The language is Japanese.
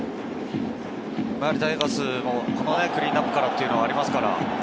タイガースもこのクリーンナップからというのもありますから。